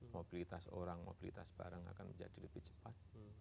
mobilitas orang mobilitas barang akan menjadi lebih cepat